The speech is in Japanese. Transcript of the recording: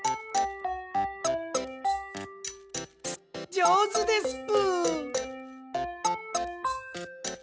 じょうずですぷ。